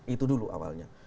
itu dulu awalnya